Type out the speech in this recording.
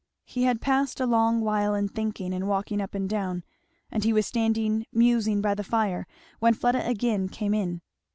He had passed a long while in thinking and walking up and down, and he was standing musing by the fire, when Fleda again came in.